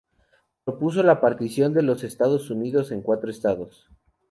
Propuso la partición de los Estados Unidos en cuatro estados:.